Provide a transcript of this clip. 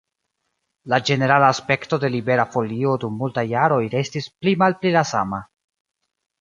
La ĝenerala aspekto de Libera Folio dum multaj jaroj restis pli-malpli la sama.